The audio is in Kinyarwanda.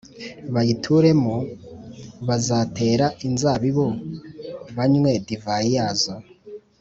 bayituremo l Bazatera inzabibu banywe divayi yazo